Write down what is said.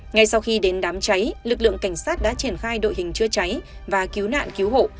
ngay sau khi đến đám cháy lực lượng cảnh sát đã triển khai đội hình chữa cháy và cứu nạn cứu hộ